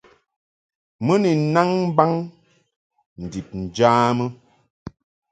Mɨ ni nnaŋ mbaŋ ndib njamɨ.